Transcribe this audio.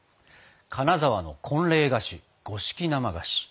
金沢の婚礼菓子五色生菓子。